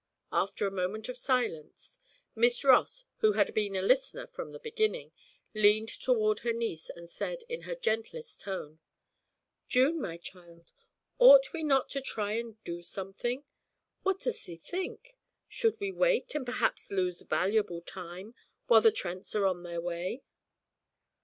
After a moment of silence, Miss Ross, who had been a listener from the beginning, leaned toward her niece and said, in her gentlest tone: 'June, my child, ought we not to try and do something? What does thee think? Should we wait, and perhaps lose valuable time, while the Trents are on their way?'